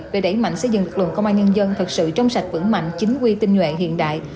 về đẩy mạnh xây dựng lực lượng công an nhân dân thật sự trong sạch vững mạnh chính quy tinh nhuệ hiện đại